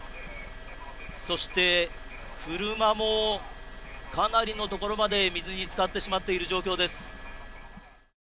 そして、車もかなりのところまで水につかってしまっている状況です。